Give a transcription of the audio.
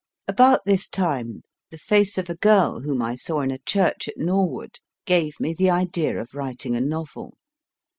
About this time the face of a girl whom I saw in a church at Norwood gave me the idea of writing a novel.